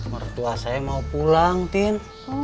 mertua saya mau pulang tin